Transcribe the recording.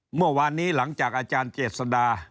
เมื่อวานนี้หลังจากอาจารย์เจษดา